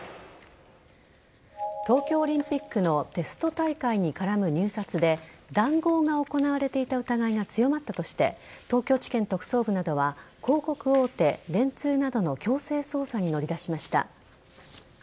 東京オリンピックのテスト大会に絡む入札で談合が行われていた疑いが強まったとして東京地検特捜部などは広告大手・電通などの強制捜査に乗り出しました。